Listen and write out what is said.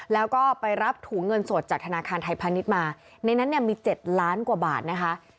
แล้วก็ไปรับถุงเงินสดจากธนาคารไทยพาณิชย์มาในนั้นเนี่ยมี๗ล้านกว่าบาทนะคะ